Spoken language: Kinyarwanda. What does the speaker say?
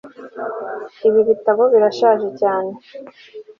Ibi bitabo birashaje cyane